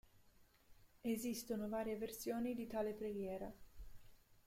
Esistono varie versioni di tale preghiera.